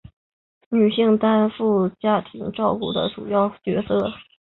女性仍负担家庭照顾的主要角色